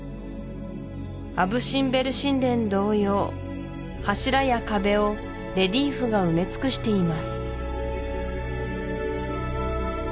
アブ・シンベル神殿同様柱や壁をレリーフが埋め尽くしています